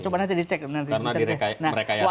coba nanti dicek karena mereka yasa